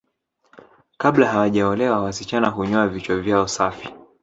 Kabla hawajaolewa wasichana hunyoa vichwa vyao safi